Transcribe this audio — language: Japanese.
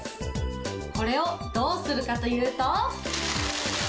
これをどうするかというと。